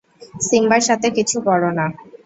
সিম্বার সাথে কিছু করোনা!